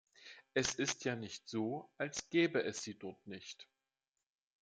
Es ist ja nicht so, als gäbe es sie dort nicht.